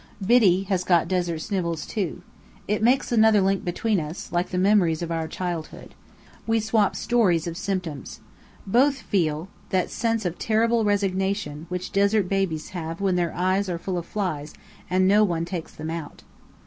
Biddy has got Desert Snivels, too. It makes another link between us, like the memories of our childhood. We swop stories of symptoms. Both feel that sense of terrible resignation which desert babies have when their eyes are full of flies and no one takes them out.